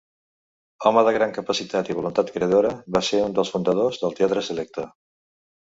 Home de gran capacitat i voluntat creadora, va ser un dels fundadors del Teatre Selecte.